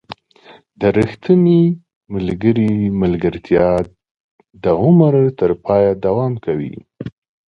• د ریښتوني ملګري ملګرتیا د عمر تر پایه دوام کوي.